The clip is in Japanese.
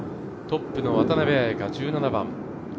トップの渡邉彩香１７番。